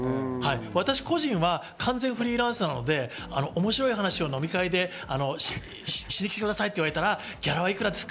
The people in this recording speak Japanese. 私個人は完全にフリーランスなので面白い話を飲み会でしに来てくださいと言われたらギャラはいくらですか？